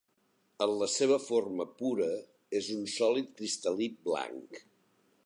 En la seva forma pura és un sòlid cristal·lí blanc.